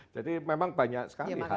jadi memang banyak sekali halnya